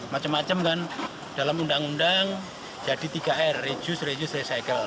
bukan dalam undang undang jadi tiga r reduce reduce recycle